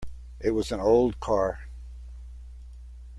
It was an old car.